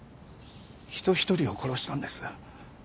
人ひとりを殺したんです。